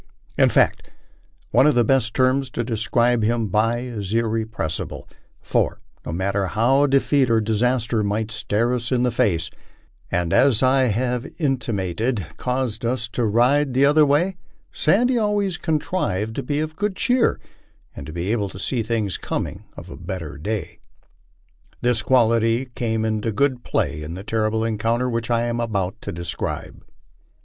In fact, one of the best terms to describe him by is irrepressible; for, no matter how defeat or disaster might stare us in the face, and, as I have intimated, cause us to ride '* the other " way, Sandy " always contrived to be of good cheer and to be able to see the coming of a better day. This quality came in good play in the terrible encounter which I am about to describe.